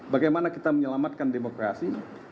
bagaimana kita menyelamatkan demokrasi